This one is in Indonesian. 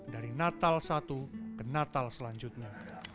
dari natal satu ke natal selanjutnya